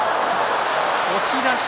押し出し。